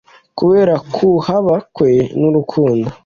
kubera ukuhaba kwe n'urukundo